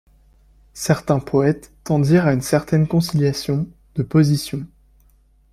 Certains poètes tendirent à une certaine conciliation de positions.